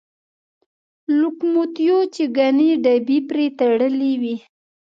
لوکوموتیو چې ګڼې ډبې پرې تړلې وې.